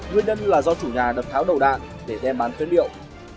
nguyên nhân là do chủ nhà đập tháo đầu đạn để đem bán phế liệu